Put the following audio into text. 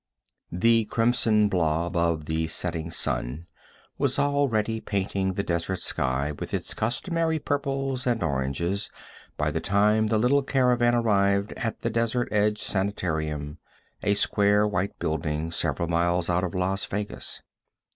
The crimson blob of the setting sun was already painting the desert sky with its customary purples and oranges by the time the little caravan arrived at the Desert Edge Sanitarium, a square white building several miles out of Las Vegas.